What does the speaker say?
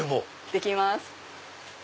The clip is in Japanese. できます。